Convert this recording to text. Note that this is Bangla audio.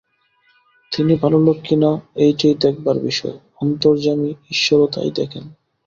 তিনি ভালো লোক কিনা এইটেই দেখবার বিষয়– অন্তর্যামী ঈশ্বরও তাই দেখেন।